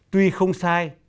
tuy không sai